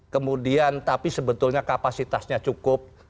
kemudian tapi sebetulnya kapasitasnya cukup